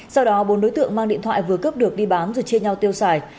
sau đó bốn đối tượng mang điện thoại vừa cướp được đi bán rồi chia nhau tiêu xài